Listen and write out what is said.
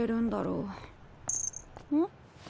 うん？